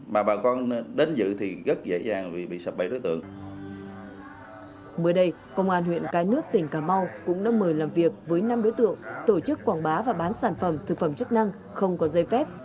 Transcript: mới đây công an huyện cái nước tỉnh cà mau cũng đã mời làm việc với năm đối tượng tổ chức quảng bá và bán sản phẩm thực phẩm chức năng không có dây phép